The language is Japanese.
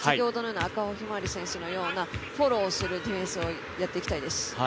赤穂ひまわり選手のようなフォローをするディフェンスをやっていきたいです。